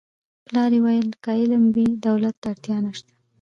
پلار یې ویل که علم وي دولت ته اړتیا نشته